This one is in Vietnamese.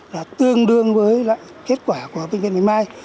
là tương đương với lại kết quả của bệnh viện bạch mai